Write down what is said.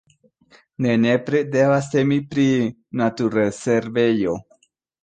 Ne nepre devas temi pri naturrezervejo.